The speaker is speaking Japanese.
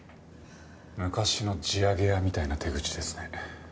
昔の地上げ屋みたいな手口ですね。